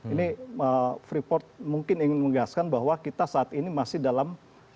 ini freeport mungkin ingin menggaskan bahwa kita saat ini masih dalam